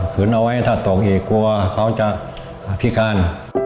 คืนเอาไว้ถ้าตกอีกกลัวเขาจะพิการ